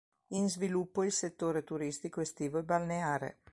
In sviluppo il settore turistico estivo e balneare.